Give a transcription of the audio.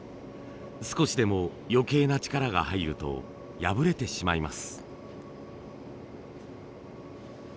少しでも余計な力が入ると破れてしまいます。